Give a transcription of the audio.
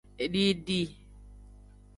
Didi.